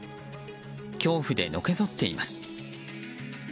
恐怖でのけぞっています。